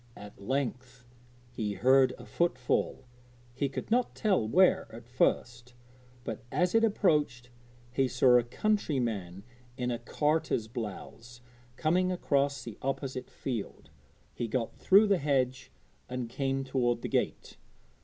At length he heard a footfall. He could not tell where at first, but, as it approached, he saw a countryman in a carter's blouse coming across the opposite field. He got through the hedge and came toward the gate.